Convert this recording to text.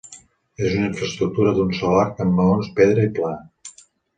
És una infraestructura d'un sol arc amb maons, pedra i pla.